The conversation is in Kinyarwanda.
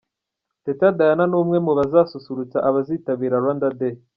Teta Diana ni umwe mu bazasusurutsa abazitabira Rwanda Day.